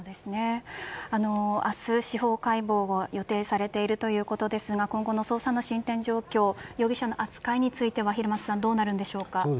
明日、司法解剖が予定されているということですが今後の捜査の進展状況容疑者の扱いについては平松さんどうなるんでしょうか。